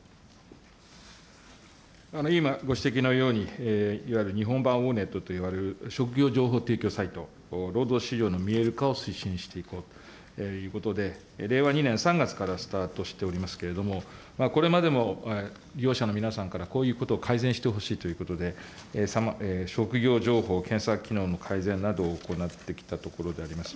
今、ご指摘のように、いわゆる日本版オーネットといわれる、職業情報提供サイト、労働資料の見える化を推進していこうということで、令和２年３月からスタートしておりますけれども、これまでも利用者の皆さんから、こういうことを改善してほしいということで、職業情報検索機能の改善などを行ってきたところであります。